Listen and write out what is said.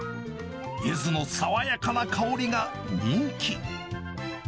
ユズの爽やかな香りが人気。